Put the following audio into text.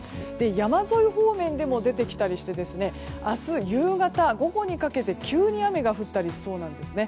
山沿い方面でも出てきたりして明日夕方、午後にかけて急に雨が降ったりしそうなんですね。